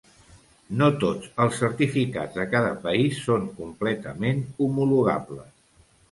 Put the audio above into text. No tots els certificats de cada país són completament homologables.